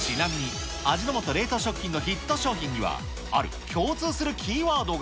ちなみに味の素冷凍食品のヒット商品には、ある共通するキーワードが。